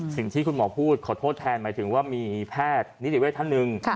สิ่งที่คุณหมอพูดขอโทษแทนหมายถึงว่ามีแพทย์นิติเวทท่านหนึ่ง